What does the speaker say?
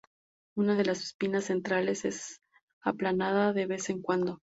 Una de las espinas centrales es aplanada de vez en cuando.